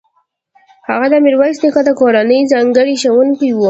هغه د میرویس نیکه د کورنۍ ځانګړی ښوونکی و.